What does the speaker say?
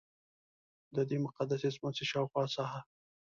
ددې مقدسې څمڅې شاوخوا ساحه.